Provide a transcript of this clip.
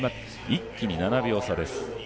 一気に７秒差です。